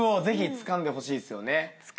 つかんでほしいです。